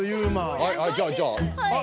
はいじゃあじゃあ。